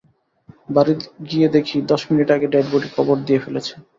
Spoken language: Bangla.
বাড়ি গিয়ে দেখি দশ মিনিট আগে ডেডবডি কবর দিয়ে ফেলেছে।